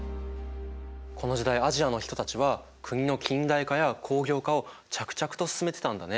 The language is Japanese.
この時代アジアの人たちは国の近代化や工業化を着々と進めてたんだね。